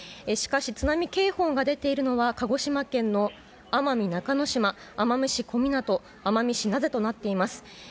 しかし、津波警報が出ているのは鹿児島県の奄美中之島奄美市小湊、奄美市名瀬となっています。